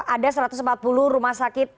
ada satu ratus empat puluh rumah sakit